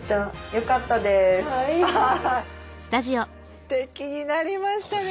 ステキになりましたね。